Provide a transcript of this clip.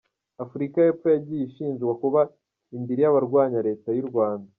Afurika y’Epfo yagiye ishinjwa kuba indiri y’abarwanya Leta y’u Rwanda